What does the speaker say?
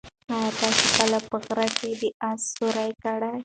ایا تاسي کله په غره کې د اس سورلۍ کړې؟